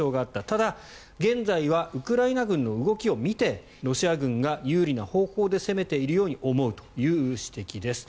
ただ、現在はウクライナ軍の動きを見てロシア軍が有利な方法で攻めているように思うという指摘です。